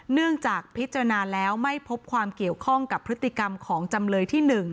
เนื่องจากพิจารณาแล้วไม่พบความเกี่ยวข้องกับพฤติกรรมของจำเลยที่๑